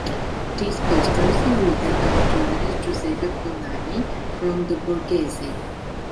These posters were written by the journalist Giuseppe Bonanni, from the “Borghese”